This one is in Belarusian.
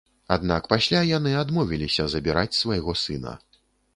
Аднак пасля яны адмовіліся забіраць свайго сына.